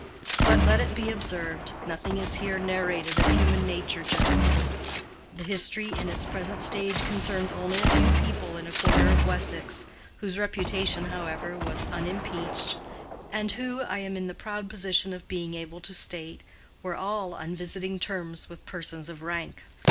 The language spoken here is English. But, let it be observed, nothing is here narrated of human nature generally: the history in its present stage concerns only a few people in a corner of Wessex—whose reputation, however, was unimpeached, and who, I am in the proud position of being able to state, were all on visiting terms with persons of rank.